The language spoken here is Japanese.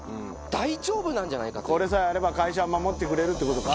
これさえあれば会社守ってくれるっていうことか？